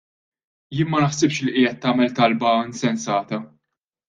Jien ma naħsibx li qiegħed tagħmel talba insensata!